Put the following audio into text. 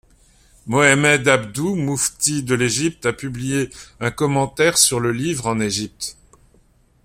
Mohamed Abduh, Mufti de l'Égypte, a publié un commentaire sur le livre en Égypte.